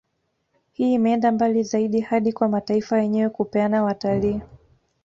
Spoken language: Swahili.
Hii imeenda mbali zaidi hadi kwa mataifa yenyewe kupeana watalii